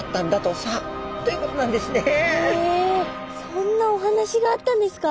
そんなお話があったんですか？